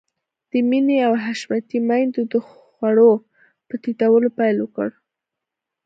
د مينې او حشمتي ميندو د خوړو په تيتولو پيل وکړ.